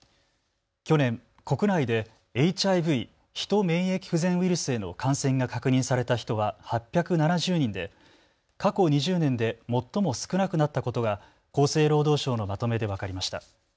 去年、国内でＨＩＶ・ヒト免疫不全ウイルスへの感染が確認された人は８７０人で過去２０年で最も少なくなったことが厚生労働省のまとめで分かりました。